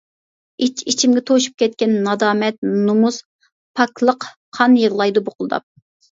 ئىچ-ئىچىمگە توشۇپ كەتكەن نادامەت، نومۇس، پاكلىق قان يىغلايدۇ بۇقۇلداپ.